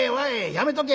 やめとけ！